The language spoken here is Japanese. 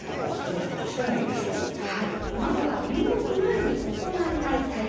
はいまずは入浴前に行いたい対策